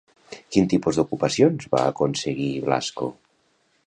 Quin tipus d'ocupacions va aconseguir, Blasco?